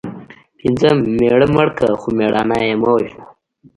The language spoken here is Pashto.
پنځم:مېړه مړ که خو مړانه یې مه وژنه